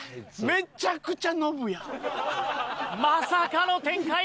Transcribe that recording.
めちゃくちゃノブ。